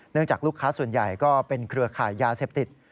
จากลูกค้าส่วนใหญ่ก็เป็นเครือข่ายยาเสพติด